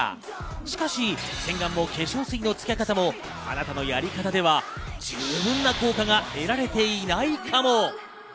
しかし洗顔も化粧水の付け方もあなたのやり方では十分な効果が得られていないかも。